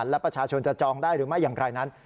และประชาชนจะจองได้หรือไม่อย่างไรนั้น